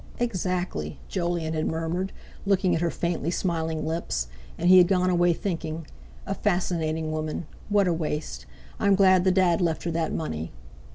"Exactly!" Jolyon had murmured, looking at her faintly smiling lips; and he had gone away thinking: "A fascinating woman! What a waste! I'm glad the Dad left her that money."